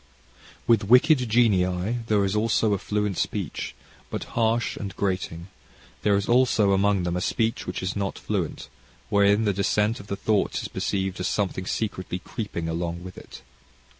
"With wicked genii there is also a fluent speech, but harsh and grating. There is also among them a speech which is not fluent, wherein the dissent of the thoughts is perceived as something secretly creeping along within it."